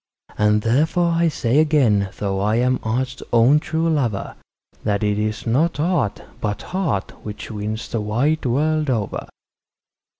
And therefore I say again, though I am art's own true lover, That it is not art, but heart, which wins the wide world over.